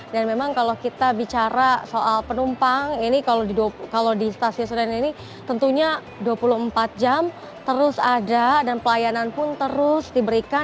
dan memang kalau kita bicara soal penumpang ini kalau di stasiun senen ini tentunya dua puluh empat jam terus ada dan pelayanan pun terus diberikan